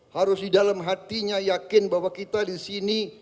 harus di dalam hatinya yakin bahwa kita di sini